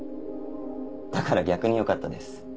だから逆によかったです。